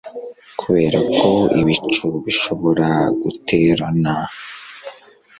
Kuberako ibicu bishobora guterana